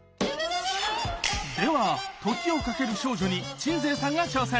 では「時をかける少女」に鎮西さんが挑戦！